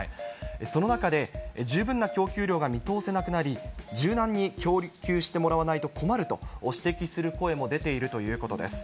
その中で十分な供給量が見通せなくなり、柔軟に供給してもらわないと困ると指摘する声も出ているということです。